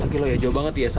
satu kilo ya jauh banget ya